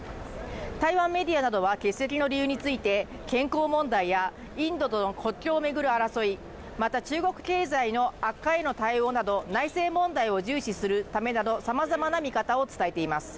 台湾メディアなどは欠席の理由について、健康問題やインドとの国境を巡る争い、また中国経済の悪化へ対応など内政問題を重視するためなどさまざまな見方を伝えています。